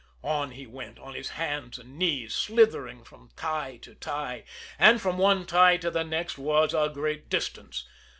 On he went, on his hands and knees, slithering from tie to tie and from one tie to the next was a great distance.